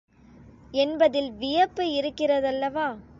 என்பதில் வியப்பு இருக்கிறதல்லவா?